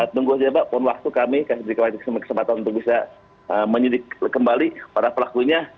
tunggu saja mbak pun waktu kami kasih berikan kesempatan untuk bisa menyelidiki kembali para pelakunya